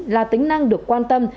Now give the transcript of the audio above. là tính năng được quan tâm